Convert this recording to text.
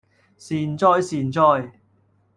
善哉善哉